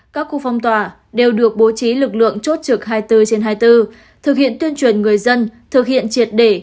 các khu phong tỏa đều được bố trí lực lượng chốt trực hai mươi bốn trên hai mươi bốn thực hiện tuyên truyền người dân thực hiện triệt để